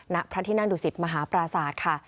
ณพระที่นั่งดุสิตมหาปราศาสตร์ค่ะ